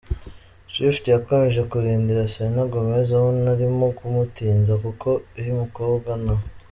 Swift yakomeje kurindira Selena Gomez abona arimo kumutinza kuko uyu mukobwa na.